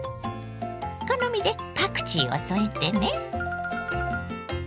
好みでパクチーを添えてね。